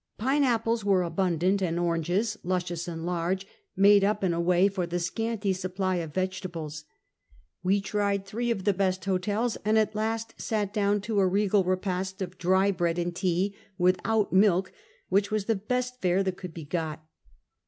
Pineapples were abundant, and oranges, luscious and large, made up in a way for the scanty supply of vegetables. We tried three of the best hotels, and at last sat down to a regal repast of dry bread and tea, without milk, which was the best fare that could be got.